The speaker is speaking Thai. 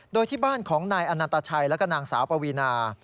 โดยที่บ้านของนายอนันตชัยแล้วก็นางสาวปวีนา